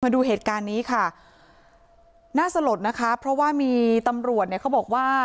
ดูเหตุการณ์นี้ค่ะน่าสลดนะคะเพราะว่ามีตำรวจเนี่ยเขาบอกว่า